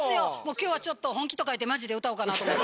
今日は「本気」と書いて「マジ」で歌おうかなと思って。